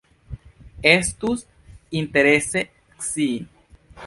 Estus interese scii.